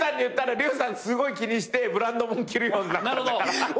すごい気にしてブランドもん着るようになったんだから。